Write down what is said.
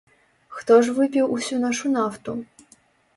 Хто ж выпіў усю нашу нафту?